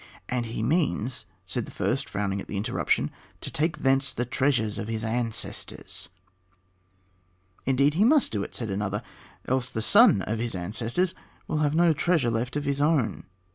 "And he means," said the first, frowning at the interruption, "to take thence the treasures of his ancestors." "Indeed, he must do it," said another, "else the son of his ancestors will have no treasure left of his own."